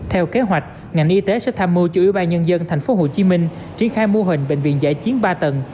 theo kế hoạch ngành y tế sẽ tham mưu chủ yếu bài nhân dân thành phố hồ chí minh triển khai mô hình bệnh viện giải chiến ba tầng